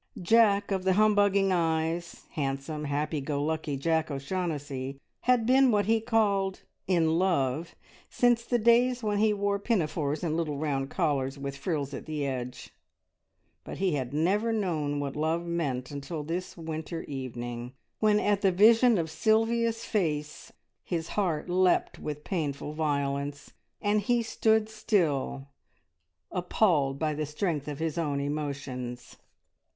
Jack of the humbugging eyes, handsome, happy go lucky Jack O'Shaughnessy, had been what he called "in love" since the days when he wore pinafores and little round collars with frills at the edge, but he had never known what love meant until this winter evening, when at the vision of Sylvia's face his heart leapt with painful violence, and he stood still appalled by the strength of his own emotions.